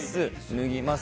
脱ぎます